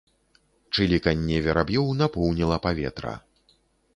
Чыліканне вераб'ёў напоўніла паветра.